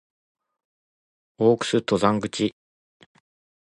大楠登山口